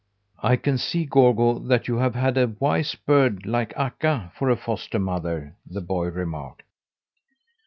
"I can see, Gorgo, that you have had a wise bird like Akka for a foster mother," the boy remarked.